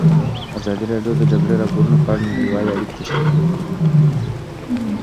ازادي راډیو د د جګړې راپورونه په اړه نړیوالې اړیکې تشریح کړي.